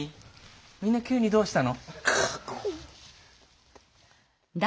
みんな急にどうしたの？